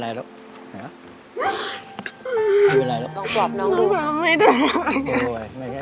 ไม่เป็นไรแล้วลองปรบน้องดูไม่ได้แบบนั้นโอเค